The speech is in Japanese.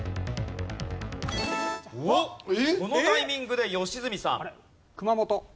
このタイミングで良純さん。